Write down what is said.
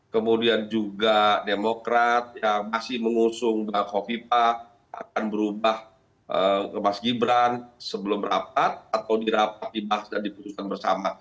kemudian juga demokrat yang masih mengusung kofifa akan berubah ke mas gibran sebelum rapat atau dirapat dibahas dan diputuskan bersama